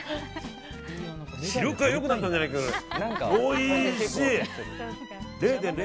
視力が良くなったんじゃないかぐらい。